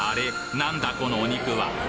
何だこのお肉は！？